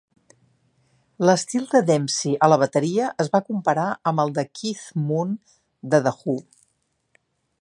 L'estil de Demsey a la bateria es va comparar amb el de Keith Moon de The Who.